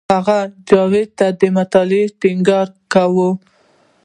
هغه جاوید ته د مطالعې ټینګار کاوه